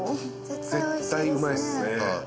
絶対うまいっすね。